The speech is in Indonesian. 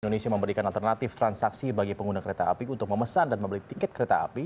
indonesia memberikan alternatif transaksi bagi pengguna kereta api untuk memesan dan membeli tiket kereta api